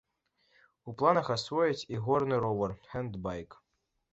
У планах асвоіць і горны ровар, хэндбайк.